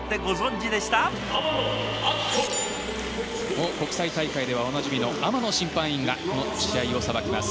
もう国際大会ではおなじみの天野審判員がこの試合を裁きます。